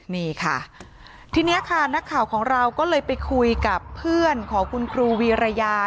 นี่ค่ะทีนี้ค่ะนักข่าวของเราก็เลยไปคุยกับเพื่อนของคุณครูวีรยา